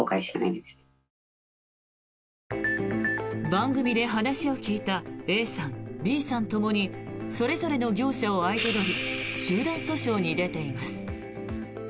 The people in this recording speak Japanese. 番組で話を聞いたＡさん、Ｂさんともにそれぞれの業者を相手取り集団訴訟に出ています。